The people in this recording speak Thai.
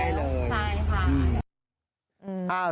ง่ายเลยค่ะใช่ค่ะอืม